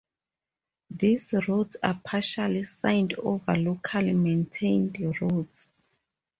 These routes are partially signed over locally maintained roads.